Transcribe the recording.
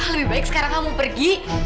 lebih baik sekarang kamu pergi